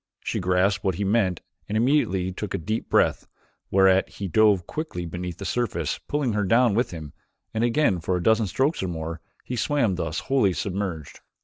She grasped what he meant and immediately took a deep breath, whereat he dove quickly beneath the surface pulling her down with him and again for a dozen strokes or more he swam thus wholly submerged.